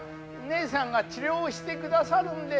ねえさんが治療してくださるんで。